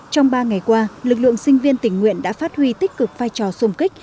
trong ba ngày qua lực lượng sinh viên tình nguyện đã phát huy tích cực vai trò xung kích